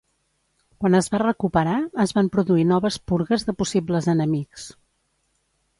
Quan es va recuperar es van produir noves purgues de possibles enemics.